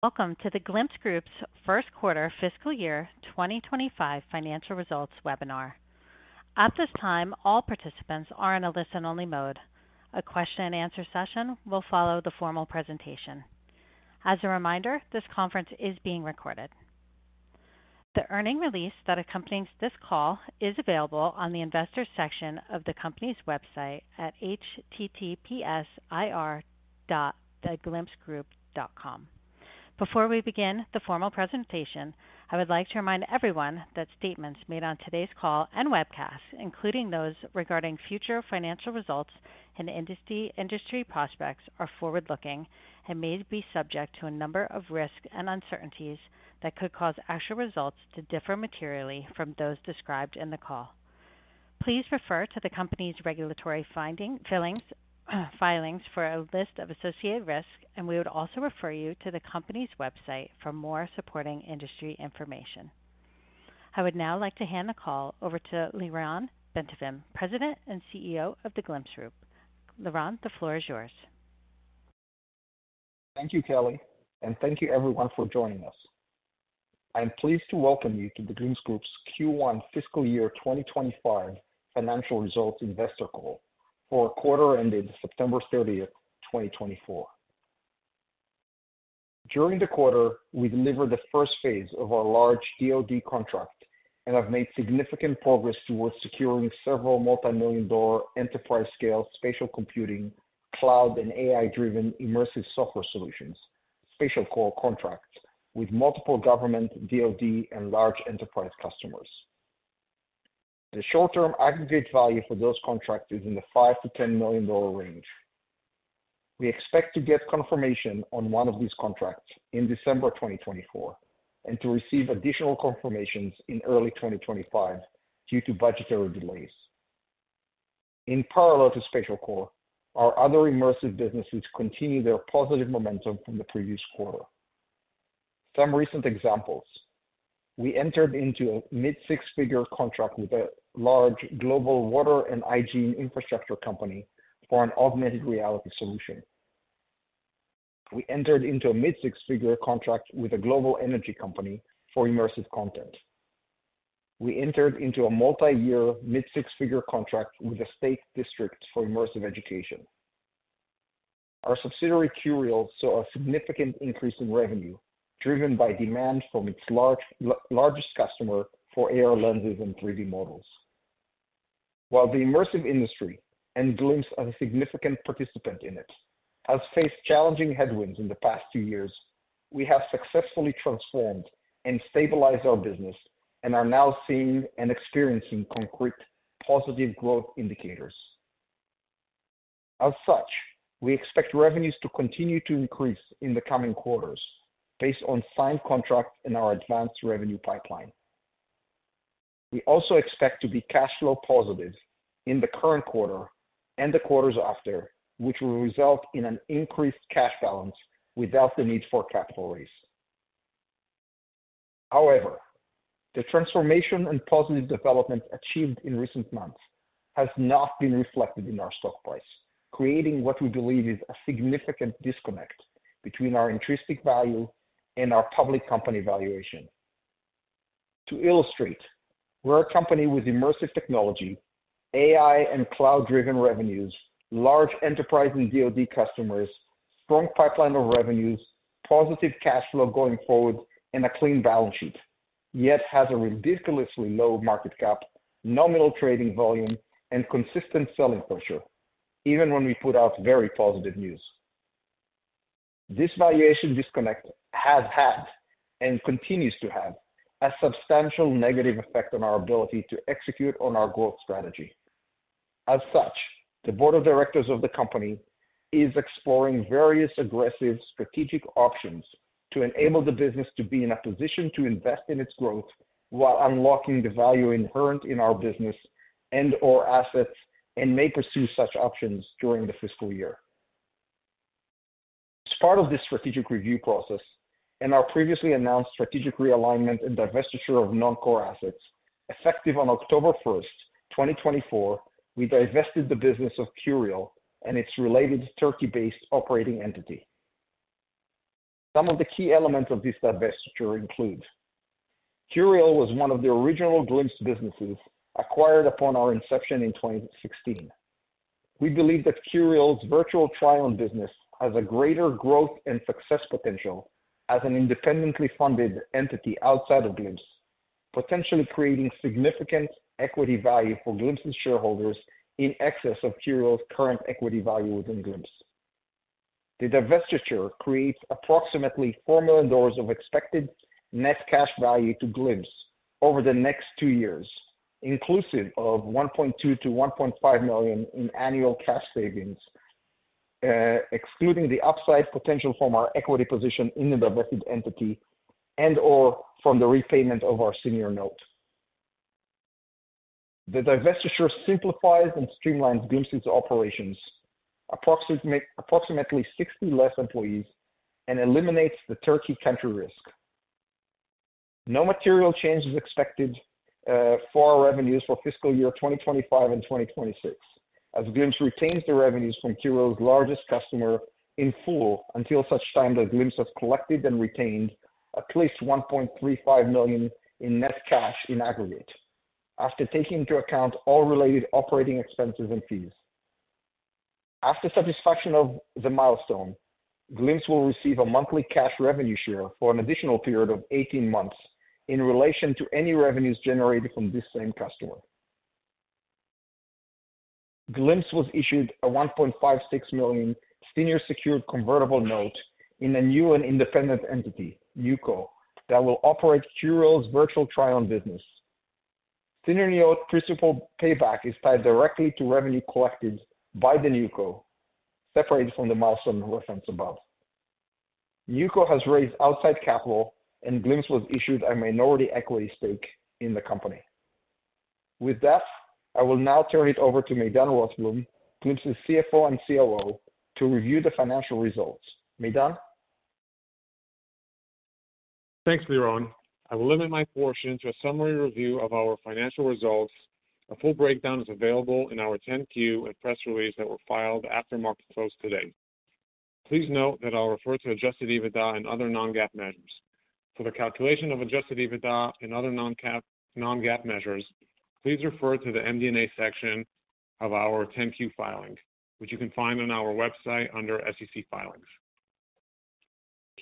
Welcome to The Glimpse Group's first quarter fiscal year 2025 financial results webinar. At this time, all participants are in a listen-only mode. A question-and-answer session will follow the formal presentation. As a reminder, this conference is being recorded. The earnings release that accompanies this call is available on the investor section of the company's website at https://ir.theglimpsegroup.com. Before we begin the formal presentation, I would like to remind everyone that statements made on today's call and webcast, including those regarding future financial results and industry prospects, are forward-looking and may be subject to a number of risks and uncertainties that could cause actual results to differ materially from those described in the call. Please refer to the company's regulatory filings for a list of associated risks, and we would also refer you to the company's website for more supporting industry information. I would now like to hand the call over to Lyron Bentovim, President and CEO of The Glimpse Group. Lyron, the floor is yours. Thank you, Kelly, and thank you, everyone, for joining us. I'm pleased to welcome you to the Glimpse Group's Q1 fiscal year 2025 financial results investor call for quarter-ended September 30th, 2024. During the quarter, we delivered the first phase of our large DoD contract and have made significant progress towards securing several multi-million-dollar enterprise-scale spatial computing, cloud, and AI-driven immersive software solutions SpatialCore contracts with multiple government, DoD, and large enterprise customers. The short-term aggregate value for those contracts is in the $5 million-$10 million range. We expect to get confirmation on one of these contracts in December 2024 and to receive additional confirmations in early 2025 due to budgetary delays. In parallel to SpatialCore, our other immersive businesses continue their positive momentum from the previous quarter. Some recent examples: we entered into a mid-six-figure contract with a large global water and hygiene infrastructure company for an augmented reality solution. We entered into a mid-six-figure contract with a global energy company for immersive content. We entered into a multi-year mid-six-figure contract with a state district for immersive education. Our subsidiary QReal saw a significant increase in revenue driven by demand from its largest customer for AR lenses and 3D models. While the immersive industry, and Glimpse as a significant participant in it, has faced challenging headwinds in the past few years, we have successfully transformed and stabilized our business and are now seeing and experiencing concrete positive growth indicators. As such, we expect revenues to continue to increase in the coming quarters based on signed contracts in our advanced revenue pipeline. We also expect to be cash flow positive in the current quarter and the quarters after, which will result in an increased cash balance without the need for capital raise. However, the transformation and positive development achieved in recent months has not been reflected in our stock price, creating what we believe is a significant disconnect between our intrinsic value and our public company valuation. To illustrate, we're a company with immersive technology, AI and cloud-driven revenues, large enterprise and DoD customers, a strong pipeline of revenues, positive cash flow going forward, and a clean balance sheet, yet has a ridiculously low market cap, nominal trading volume, and consistent selling pressure, even when we put out very positive news. This valuation disconnect has had, and continues to have, a substantial negative effect on our ability to execute on our growth strategy. As such, the board of directors of the company is exploring various aggressive strategic options to enable the business to be in a position to invest in its growth while unlocking the value inherent in our business and/or assets and may pursue such options during the fiscal year. As part of this strategic review process and our previously announced strategic realignment and divestiture of non-core assets, effective on October 1st, 2024, we divested the business of QReal and its related Turkey-based operating entity. Some of the key elements of this divestiture include: QReal was one of the original Glimpse businesses acquired upon our inception in 2016. We believe that QReal's virtual trial business has a greater growth and success potential as an independently funded entity outside of Glimpse potentially creating significant equity value for Glimpse's shareholders in excess of QReal's current equity value within Glimpse. The divestiture creates approximately $4 million of expected net cash value to Glimpse over the next two years, inclusive of $1.2 million-$1.5 million in annual cash savings, excluding the upside potential from our equity position in the divested entity and/or from the repayment of our senior note. The divestiture simplifies and streamlines Glimpse's operations, approximately 60 less employees, and eliminates the Turkey country risk. No material change is expected for our revenues for fiscal year 2025 and 2026, as Glimpse retains the revenues from QReal's largest customer in full until such time that Glimpse has collected and retained at least $1.35 million in net cash in aggregate, after taking into account all related operating expenses and fees. After satisfaction of the milestone, Glimpse will receive a monthly cash revenue share for an additional period of 18 months in relation to any revenues generated from this same customer. Glimpse was issued a $1.56 million senior secured convertible note in a new and independent entity, NewCo, that will operate QReal's virtual trial business. Senior note principal payback is tied directly to revenue collected by the NewCo, separated from the milestone referenced above. NewCo has raised outside capital, and Glimpse was issued a minority equity stake in the company. With that, I will now turn it over to Maydan Rothblum, Glimpse's CFO and COO, to review the financial results. Maydan? Thanks, Lyron. I will limit my portion to a summary review of our financial results. A full breakdown is available in our 10-Q and press release that were filed after market close today. Please note that I'll refer to Adjusted EBITDA and other non-GAAP measures. For the calculation of Adjusted EBITDA and other non-GAAP measures, please refer to the MD&A section of our 10-Q filing, which you can find on our website under SEC filings.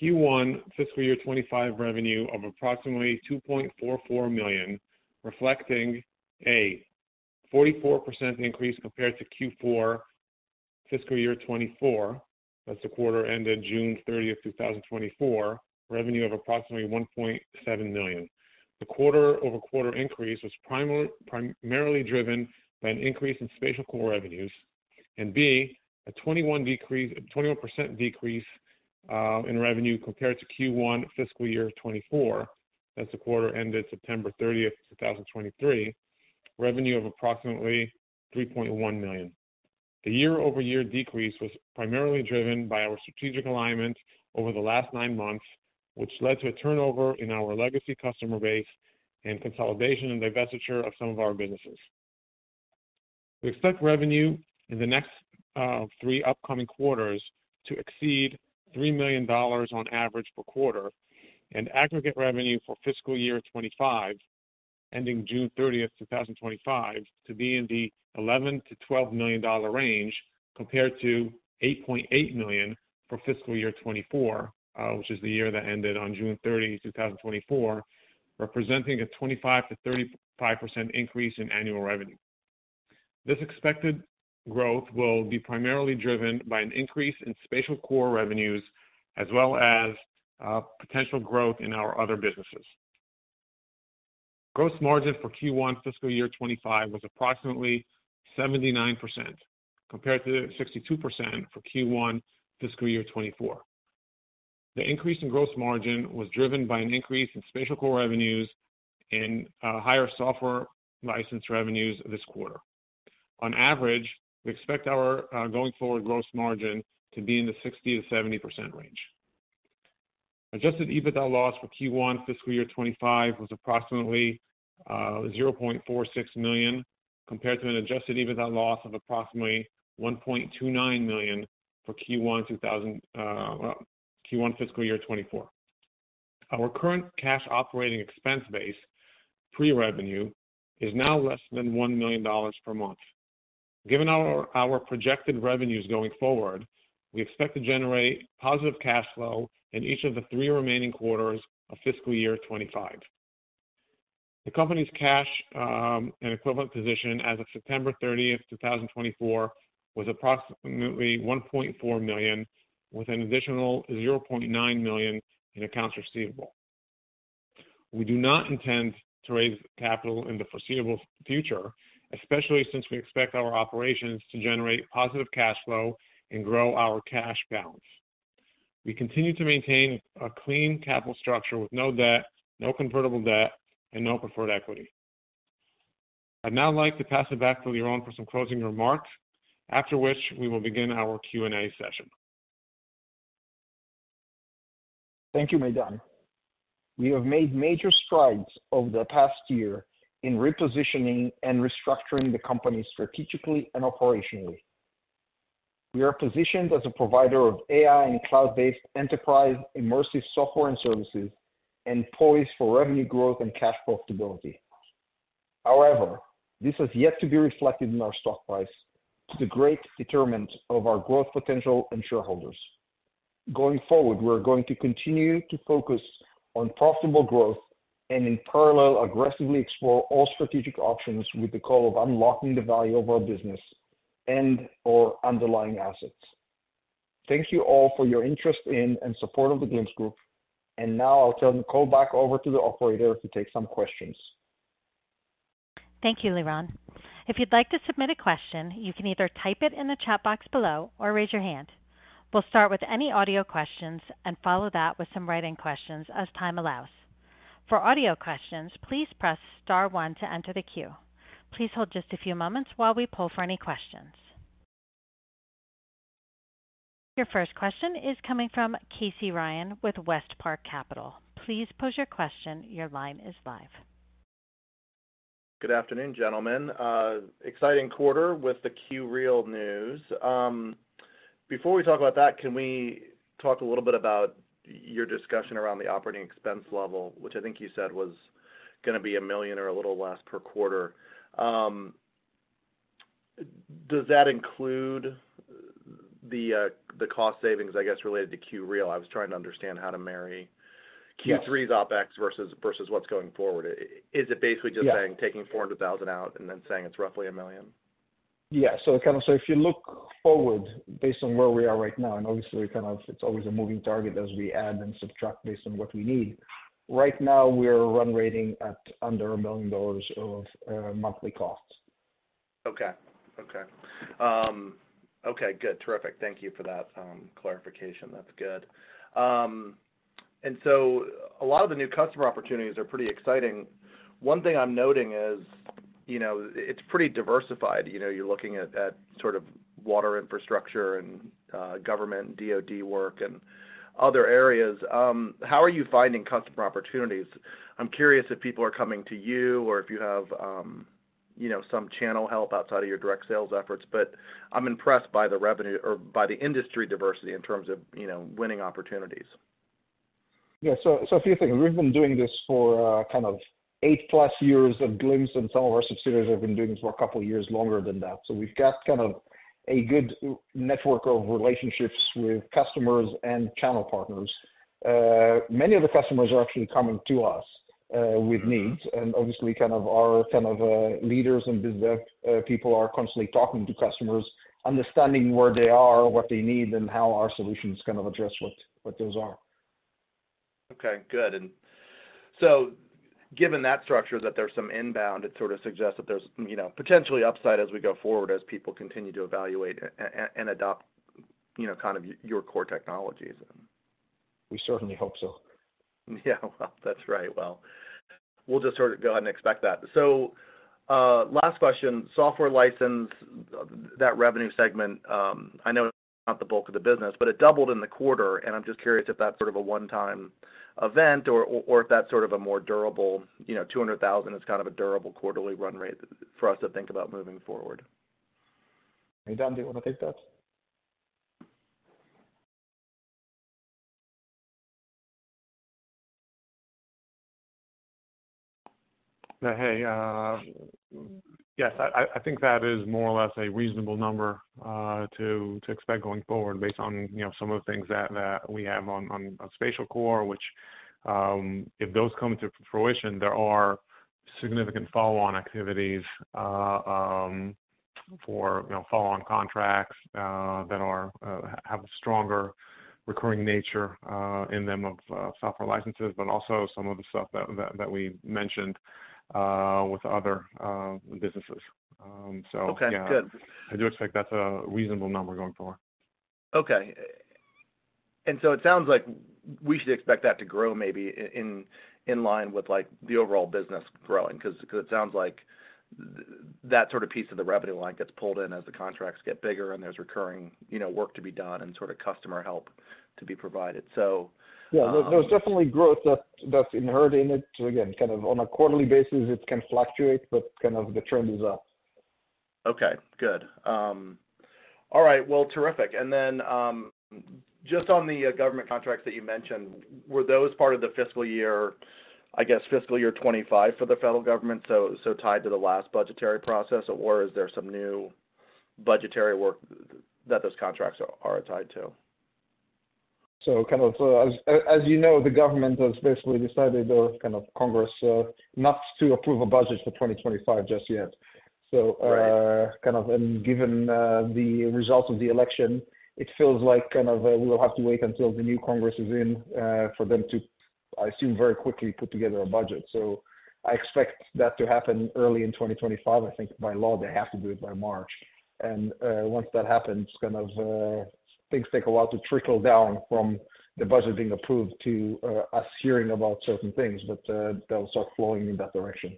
Q1 fiscal year 2025 revenue of approximately $2.44 million, reflecting a 44% increase compared to Q4 fiscal year 2024, as the quarter ended June 30th, 2024, revenue of approximately $1.7 million. The quarter-over-quarter increase was primarily driven by an increase in SpatialCore revenues and a 21% decrease in revenue compared to Q1 fiscal year 2024, as the quarter ended September 30th, 2023, revenue of approximately $3.1 million. The year-over-year decrease was primarily driven by our strategic alignment over the last nine months, which led to a turnover in our legacy customer base and consolidation and divestiture of some of our businesses. We expect revenue in the next three upcoming quarters to exceed $3 million on average per quarter, and aggregate revenue for fiscal year 2025, ending June 30th, 2025, to be in the $11 million-$12 million range compared to $8.8 million for fiscal year 2024, which is the year that ended on June 30th, 2024, representing a 25%-35% increase in annual revenue. This expected growth will be primarily driven by an increase in SpatialCore revenues as well as potential growth in our other businesses. Gross margin for Q1 fiscal year 2025 was approximately 79% compared to 62% for Q1 fiscal year 2024. The increase in gross margin was driven by an increase in SpatialCore revenues and higher software license revenues this quarter. On average, we expect our going forward gross margin to be in the 60%-70% range. Adjusted EBITDA loss for Q1 fiscal year 2025 was approximately $0.46 million compared to an adjusted EBITDA loss of approximately $1.29 million for Q1 fiscal year 2024. Our current cash operating expense base pre-revenue is now less than $1 million per month. Given our projected revenues going forward, we expect to generate positive cash flow in each of the three remaining quarters of fiscal year 2025. The company's cash and equivalent position as of September 30th, 2024, was approximately $1.4 million, with an additional $0.9 million in accounts receivable. We do not intend to raise capital in the foreseeable future, especially since we expect our operations to generate positive cash flow and grow our cash balance. We continue to maintain a clean capital structure with no debt, no convertible debt, and no preferred equity. I'd now like to pass it back to Lyron for some closing remarks, after which we will begin our Q&A session. Thank you, Maydan. We have made major strides over the past year in repositioning and restructuring the company strategically and operationally. We are positioned as a provider of AI and cloud-based enterprise immersive software and services and poised for revenue growth and cash profitability. However, this has yet to be reflected in our stock price to the great deterrent of our growth potential and shareholders. Going forward, we are going to continue to focus on profitable growth and, in parallel, aggressively explore all strategic options with the goal of unlocking the value of our business and/or underlying assets. Thank you all for your interest in and support of The Glimpse Group, and now I'll turn the call back over to the operator to take some questions. Thank you, Lyron. If you'd like to submit a question, you can either type it in the chat box below or raise your hand. We'll start with any audio questions and follow that with some writing questions as time allows. For audio questions, please press star one to enter the queue. Please hold just a few moments while we pull for any questions. Your first question is coming from Casey Ryan with WestPark Capital. Please pose your question. Your line is live. Good afternoon, gentlemen. Exciting quarter with the QReal news. Before we talk about that, can we talk a little bit about your discussion around the operating expense level, which I think you said was going to be $1 million or a little less per quarter? Does that include the cost savings, I guess, related to QReal? I was trying to understand how to marry Q3's OPEX versus what's going forward. Is it basically just saying taking $400,000 out and then saying it's roughly a million? Yeah. So kind of if you look forward based on where we are right now, and obviously kind of it's always a moving target as we add and subtract based on what we need. Right now, we're run rate at under $1 million of monthly costs. Okay. Okay. Okay. Good. Terrific. Thank you for that clarification. That's good. And so a lot of the new customer opportunities are pretty exciting. One thing I'm noting is it's pretty diversified. You're looking at sort of water infrastructure and government and DoD work and other areas. How are you finding customer opportunities? I'm curious if people are coming to you or if you have some channel help outside of your direct sales efforts, but I'm impressed by the revenue or by the industry diversity in terms of winning opportunities. Yeah. So a few things. We've been doing this for kind of eight-plus years at Glimpse and some of our subsidiaries have been doing this for a couple of years longer than that. So we've got kind of a good network of relationships with customers and channel partners. Many of the customers are actually coming to us with needs, and obviously kind of our leaders and biz dev people are constantly talking to customers, understanding where they are, what they need, and how our solutions kind of address what those are. Okay. Good. And so given that structure that there's some inbound, it sort of suggests that there's potentially upside as we go forward as people continue to evaluate and adopt kind of your core technologies. We certainly hope so. Yeah. That's right. We'll just sort of go ahead and expect that. Last question. Software license, that revenue segment, I know it's not the bulk of the business, but it doubled in the quarter, and I'm just curious if that's sort of a one-time event or if that's sort of a more durable $200,000 is kind of a durable quarterly run rate for us to think about moving forward? Maydan, do you want to take that? Hey. Yes. I think that is more or less a reasonable number to expect going forward based on some of the things that we have on Spatial Core, which if those come to fruition, there are significant follow-on activities for follow-on contracts that have a stronger recurring nature in them of software licenses, but also some of the stuff that we mentioned with other businesses. So. Okay. Good. I do expect that's a reasonable number going forward. Okay, and so it sounds like we should expect that to grow maybe in line with the overall business growing because it sounds like that sort of piece of the revenue line gets pulled in as the contracts get bigger and there's recurring work to be done and sort of customer help to be provided. So. Yeah. There's definitely growth that's inherent in it. Again, kind of on a quarterly basis, it can fluctuate, but kind of the trend is up. Okay. Good. All right. Well, terrific. And then just on the government contracts that you mentioned, were those part of the fiscal year, I guess, fiscal year 2025 for the federal government, so tied to the last budgetary process, or is there some new budgetary work that those contracts are tied to? So, kind of as you know, the government has basically decided or kind of Congress not to approve a budget for 2025 just yet. So, kind of given the results of the election, it feels like kind of we will have to wait until the new Congress is in for them to, I assume, very quickly put together a budget. So, I expect that to happen early in 2025. I think by law, they have to do it by March. And once that happens, kind of things take a while to trickle down from the budget being approved to us hearing about certain things, but they'll start flowing in that direction.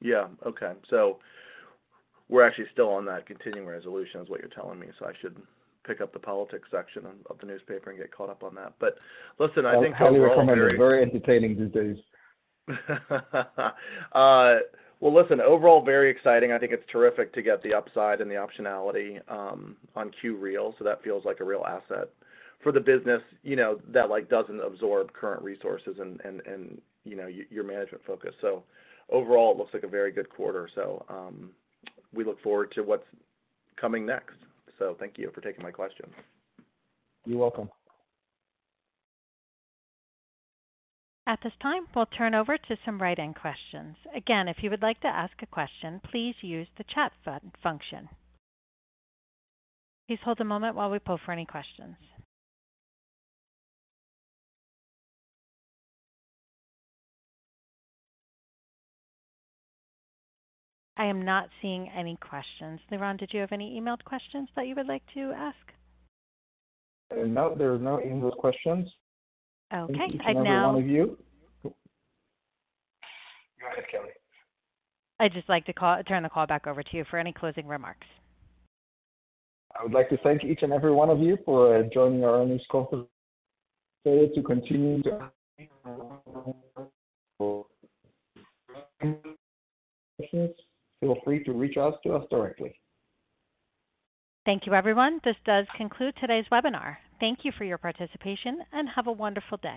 Yeah. Okay. So we're actually still on that Continuing Resolution, is what you're telling me, so I should pick up the politics section of the newspaper and get caught up on that. But listen, I think overall. I'll tell you what, it's very entertaining these days. Listen, overall, very exciting. I think it's terrific to get the upside and the optionality on QReal, so that feels like a real asset for the business that doesn't absorb current resources and your management focus. Overall, it looks like a very good quarter, so we look forward to what's coming next. Thank you for taking my question. You're welcome. At this time, we'll turn over to some writing questions. Again, if you would like to ask a question, please use the chat function. Please hold a moment while we pull for any questions. I am not seeing any questions. Lyron, did you have any emailed questions that you would like to ask? No, there are no emailed questions. Okay and now. Just from each and every one of you. Go ahead, Kelly. I'd just like to turn the call back over to you for any closing remarks. I would like to thank each and every one of you for joining our earnings conference today. To continue to ask questions, feel free to reach out to us directly. Thank you, everyone. This does conclude today's webinar. Thank you for your participation and have a wonderful day.